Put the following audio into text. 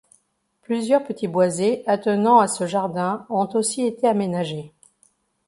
Plusieurs petits boisés attenants à ce jardin ont aussi été aménagés.